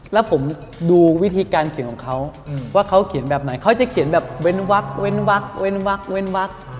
แล้วผมดูวิธีการเขียนของเขาว่าเขาเขียนแบบไหนเขาจะเขียนแบบเว้นวักเว้นวักเว้นวักเว้นวัก